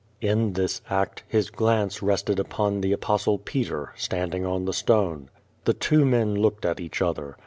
In this act, his glance rested ujwn the Ajjostlc Peter, stand ing on the stone. The two men looked at each other.